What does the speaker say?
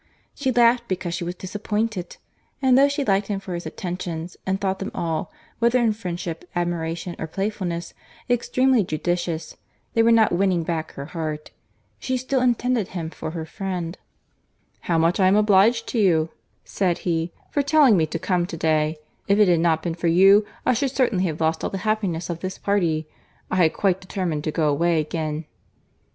She laughed because she was disappointed; and though she liked him for his attentions, and thought them all, whether in friendship, admiration, or playfulness, extremely judicious, they were not winning back her heart. She still intended him for her friend. "How much I am obliged to you," said he, "for telling me to come to day!—If it had not been for you, I should certainly have lost all the happiness of this party. I had quite determined to go away again."